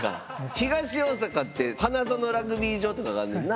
東大阪って花園ラグビー場とかがあんねんな？